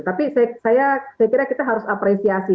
tapi saya kira kita harus apresiasi